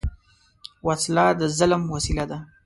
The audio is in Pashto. وسله د ظلم وسیله ده